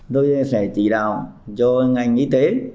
tôi sẽ chỉ đạo cho ngành y tế